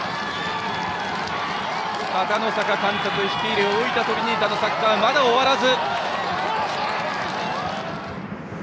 片野坂監督率いる大分トリニータのサッカーはまだ終わらず。